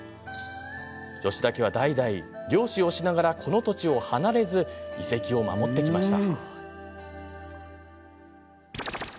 吉田家は代々、漁師をしながらこの土地を離れず遺跡を守ってきました。